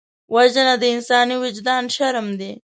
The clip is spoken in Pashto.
وژنه د انساني وجدان شرم ده